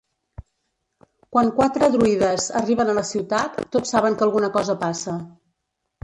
Quan quatre druides arriben a la ciutat tots saben que alguna cosa passa.